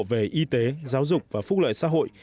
về y tế giáo dục và phúc lợi xã hội